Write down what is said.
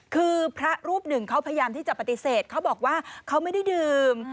คือพระรูปหนึ่งเขาพยายามที่จะปฏิเสธเขาบอกว่าเขาไม่ได้ดื่ม